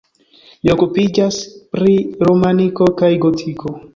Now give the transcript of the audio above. Li okupiĝas pri romaniko kaj gotiko.